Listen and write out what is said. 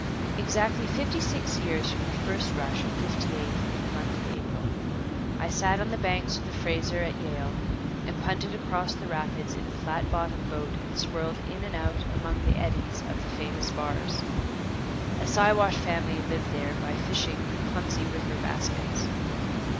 Exactly fifty six years from the first rush of '58 in the month of April, I sat on the banks of the Fraser at Yale and punted across the rapids in a flat bottomed boat and swirled in and out among the eddies of the famous bars. A Siwash family lived there by fishing with clumsy wicker baskets.